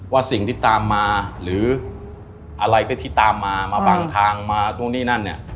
ว่าสิ่งที่ตามมาหรืออะไรก็ที่ตามมามาบังทางมานู่นนี่นั่นเนี่ย